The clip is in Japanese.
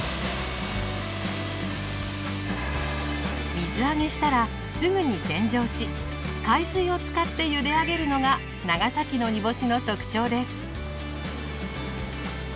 水揚げしたらすぐに洗浄し海水を使ってゆで上げるのが長崎の煮干しの特徴です。